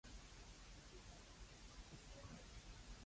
隱遁於「戊、己、庚、辛、壬、癸」六儀之內